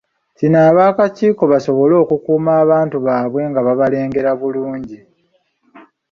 Kino bakikola basobole okukuuma abantu baabwe nga babalengera bulungi.